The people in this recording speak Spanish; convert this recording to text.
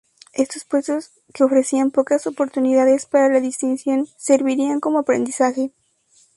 Estos puestos, que ofrecían pocas oportunidades para la distinción, servirían como aprendizaje.